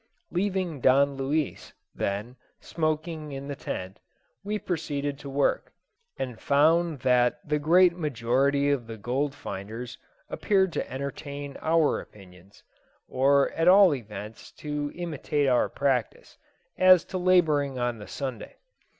Leaving Don Luis, then, smoking in the tent, we proceeded to work, and found that the great majority of the gold finders appeared to entertain our opinions, or at all events to imitate our practice, as to labouring on the Sunday.